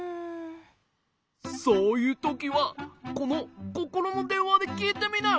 そういうときはこのココロのでんわできいてみなよ！